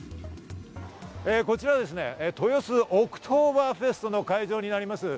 こちらですね、豊洲オクトーバーフェストの会場になります。